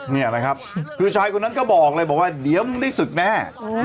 นี่นะครับคือชายคนนั้นก็บอกเลยบอกว่าเดี๋ยวมึงได้ศึกแน่